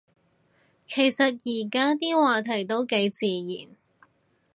其實而家啲話題都幾自然